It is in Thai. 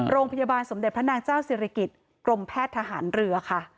โรงพยาบาลสมเด็จพระนางเจ้าศิริกิจกรมแพทย์ทหารเรือค่ะ